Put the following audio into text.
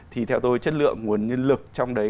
thì theo tôi chất lượng nguồn nhân lực trong đấy